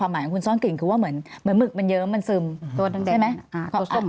หมายคุณซ้อนกลิ่นคือว่าเหมือนเหมือนเหมือกมันเยิ้มมันซึมใช่ไหมตัวแดงแดงตัวส้ม